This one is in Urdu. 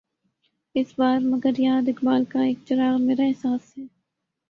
اس بار مگر یاد اقبال کا ایک چراغ، میرا احساس ہے